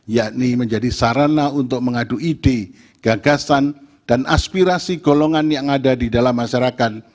yakni menjadi sarana untuk mengadu ide gagasan dan aspirasi golongan yang ada di dalam masyarakat